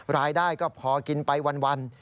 รายได้ก็พอกินไปวัน